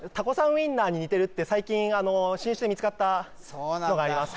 ウインナーに似てるって最近新種で見つかったのがあります